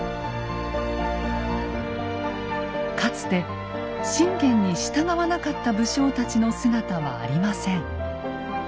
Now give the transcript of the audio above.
かつて信玄に従わなかった武将たちの姿はありません。